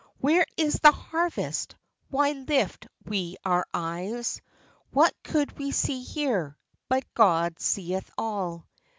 Where is the harvest ? Why lift we our eyes ? What could we see here ? But God seeth all.